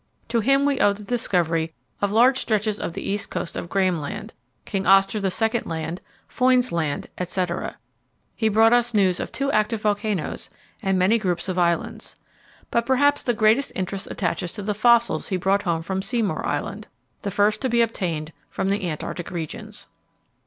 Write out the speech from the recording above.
To him we owe the discovery of large stretches of the east coast of Graham Land, King Oscar II. Land, Foyn's Land, etc. He brought us news of two active volcanoes, and many groups of islands. But perhaps the greatest interest attaches to the fossils he brought home from Seymour Island the first to be obtained from the Antarctic regions.